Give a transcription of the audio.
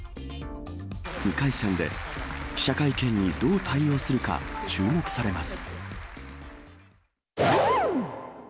２回戦で記者会見にどう対応するか、注目されます。